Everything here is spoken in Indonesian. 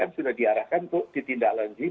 sudah diarahkan untuk ditindaklanjiri